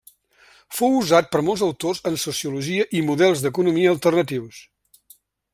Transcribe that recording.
Fou usat per molts autors en sociologia i models d'economia alternatius.